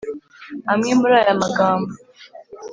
amwe muri aya magambo